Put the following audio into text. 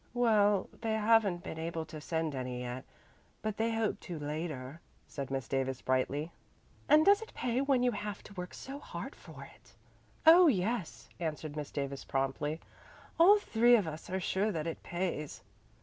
"Well, they haven't been able to send any yet, but they hope to later," said Miss Davis brightly. "And does it pay when you have to work so hard for it?" "Oh, yes," answered Miss Davis promptly. "All three of us are sure that it pays."